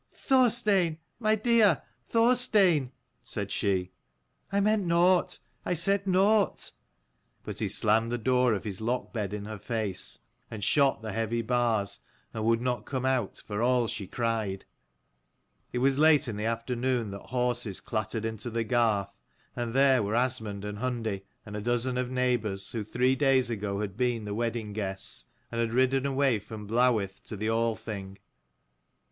"Thorstein, my dear, Thorstein!" said she, " I meant nought : I said nought." But he slammed the door of his lockbed in her face, and shot the heavy bars, and would not come out for all she cried. It was late in the afternoon that horses clattered into the garth, and there were Asmund and Hundi and a dozen of neighbours, who three days ago had been the wedding guests, and had ridden away from Blawith to the Althing.